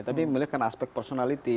tapi memilihkan aspek personality